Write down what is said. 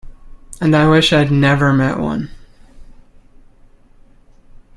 And I wish I'd never met one.